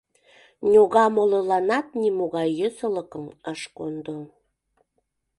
Ньога молыланат нимогай йӧсылыкым ыш кондо.